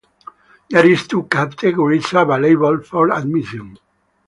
There is two categories available for admission.